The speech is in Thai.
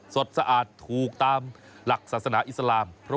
สดสะอาดถูกตามหลักศาสนารำ